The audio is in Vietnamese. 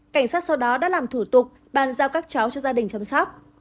cảnh sát sau đó đã làm thủ tục bàn giao các cháu cho gia đình chăm sóc